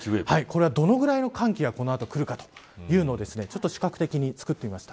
どのぐらいの寒気がこの後くるかというのを視覚的に作ってみました。